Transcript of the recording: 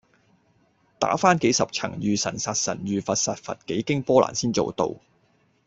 打番幾十層遇神殺神、遇佛殺佛，幾經波瀾先做到